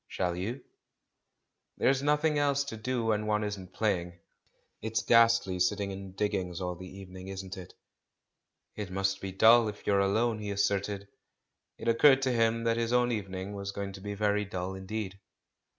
"ShaU ymir "There's nothing else to do when one isn't playing. It's ghastly sitting in diggings all the evening, isn't it?" "It must be dull if you're alone," he assented. It occurred to him that his own evening was going to be very dull indeed.